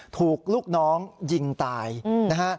ถูกลูกน้องยิงตายนะฮะ